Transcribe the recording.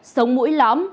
sống mũi lõm